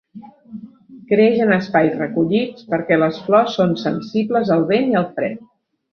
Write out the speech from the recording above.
Creix en espais recollits, perquè les flors són sensibles al vent i al fred.